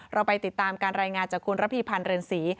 เราไปติดตามการรายงานจากคุณระพีพันธ์เรือนศรี